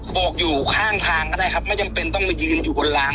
กอยู่ข้างทางก็ได้ครับไม่จำเป็นต้องมายืนอยู่บนลาง